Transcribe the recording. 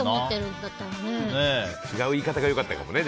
違う言い方が良かったかもね。